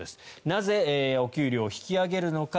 なぜ、お給料を引き上げるのか。